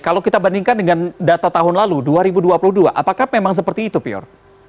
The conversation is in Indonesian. kalau kita bandingkan dengan data tahun lalu dua ribu dua puluh dua apakah memang seperti itu pior